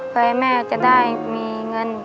เพื่อให้แม่จะได้มีเงิน